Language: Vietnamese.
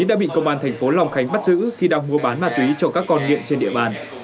đã bị công an thành phố long khánh bắt giữ khi đang mua bán ma túy cho các con nghiện trên địa bàn